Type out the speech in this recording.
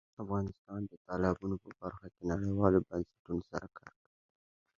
افغانستان د تالابونه په برخه کې نړیوالو بنسټونو سره کار کوي.